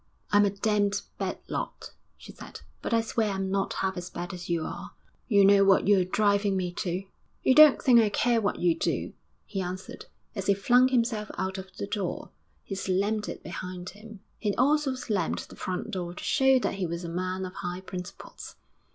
'I'm a damned bad lot,' she said, 'but I swear I'm not half as bad as you are.... You know what you're driving me to.' 'You don't think I care what you do,' he answered, as he flung himself out of the door. He slammed it behind him, and he also slammed the front door to show that he was a man of high principles.